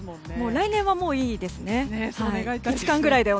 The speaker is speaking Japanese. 来年はもういいですね。